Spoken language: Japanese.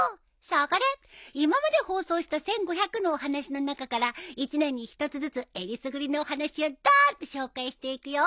そこで今まで放送した１，５００のお話の中から一年に一つずつえりすぐりのお話をドーンと紹介していくよ！